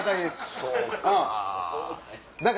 そうか！